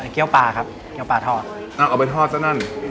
เกี้ยวปลาครับเกี้ยวปลาทอดเอาไปทอดซะนั่น